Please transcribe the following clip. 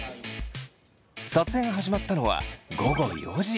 撮影が始まったのは午後４時。